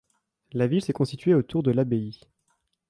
La ville s'est constituée autour de l'abbaye.